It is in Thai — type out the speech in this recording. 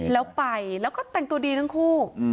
แล้วไปแล้วก็แต่งตัวดีทั้งคู่